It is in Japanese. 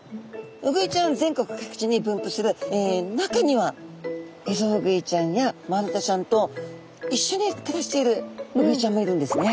ウグイちゃんは全国各地に分布する中にはエゾウグイちゃんやマルタちゃんといっしょに暮らしているウグイちゃんもいるんですね。